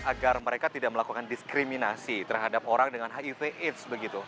agar mereka tidak melakukan diskriminasi terhadap orang dengan hiv aids begitu